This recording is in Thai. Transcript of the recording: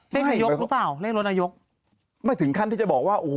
เลขนายกหรือเปล่าเลขรถนายกไม่ถึงขั้นที่จะบอกว่าโอ้โห